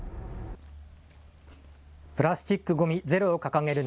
プラスチックごみゼロを掲げる